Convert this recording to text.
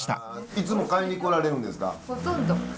いつも買いに来られるんですか？